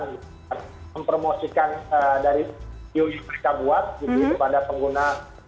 mempromosikan dari youtube yang mereka buat kepada pengguna